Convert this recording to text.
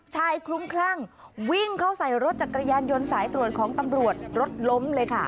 คลุ้มคลั่งวิ่งเข้าใส่รถจักรยานยนต์สายตรวจของตำรวจรถล้มเลยค่ะ